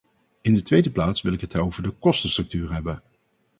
In de tweede plaats wil ik het over de kostenstructuur hebben.